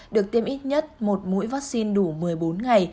được tiêm ít nhất một mũi vaccine đủ một mươi bốn ngày